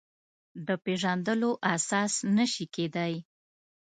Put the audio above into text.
د پېژندلو اساس نه شي کېدای.